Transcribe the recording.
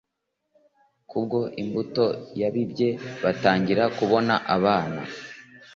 kubwo imbuto babibye Batangira kubona abana